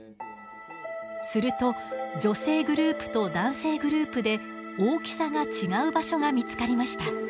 すると女性グループと男性グループで大きさが違う場所が見つかりました。